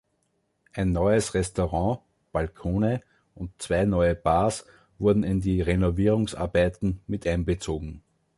Ein neues Restaurant, Balkone und zwei neue Bars wurden in die Renovierungsarbeiten miteinbezogen.